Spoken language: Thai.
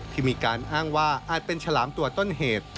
ที่มีการอ้างว่าอาจเป็นฉลามตัวต้นเหตุ